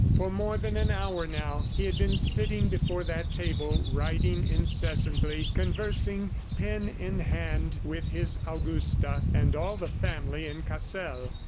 For more than an hour now, he had been sitting before that table writing incessantly, conversing, pen in hand, with his Augusta and all the family in Cassel.